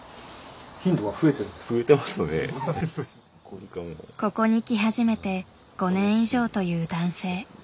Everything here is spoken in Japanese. ここに来始めて５年以上という男性。